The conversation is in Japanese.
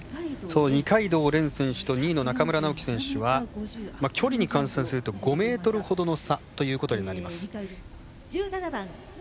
二階堂蓮選手と２位の中村直幹選手は距離に換算すると５ｍ程の差ということになります。